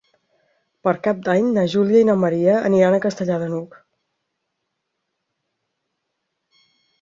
Per Cap d'Any na Júlia i na Maria aniran a Castellar de n'Hug.